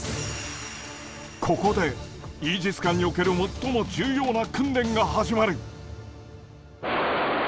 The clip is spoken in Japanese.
ここでイージス艦における最も重要な訓練が始まる。